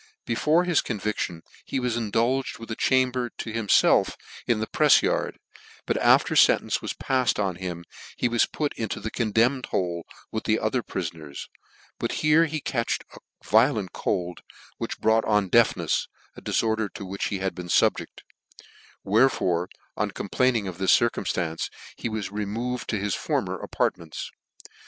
Before hhs conviction he was i n .d 'Iged wi:h a chamber to himfelf in the prcfs yard: bur after ftntence was pafled on him he was put into the condemnru hole, with the other prilbneis: but here he catched a violent cold, which brought on a deafnefs, a difoider to which he had been fubjec~li wherefore, on complaining of this cir cumftance, he was removed to his former apait ments.